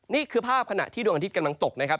นี่คือภาพขณะที่ดวงอาทิตย์กำลังตกนะครับ